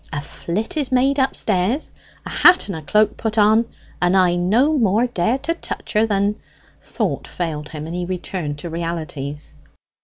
A flit is made upstairs a hat and a cloak put on and I no more dare to touch her than " Thought failed him, and he returned to realities.